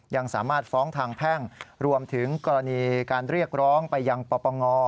ยังสามารถฟ้องทางแพ่งรวมถึงกรณีการเรียกร้องไปยังปปง